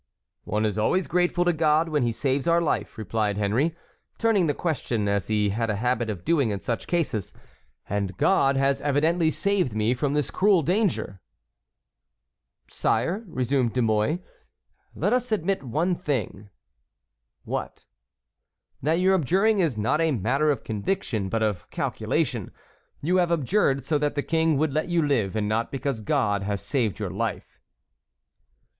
"One is always grateful to God when he saves our life," replied Henry, turning the question as he had a habit of doing in such cases, "and God has evidently saved me from this cruel danger." "Sire," resumed De Mouy, "let us admit one thing." "What?" "That your abjuring is not a matter of conviction, but of calculation. You have abjured so that the King would let you live, and not because God has saved your life."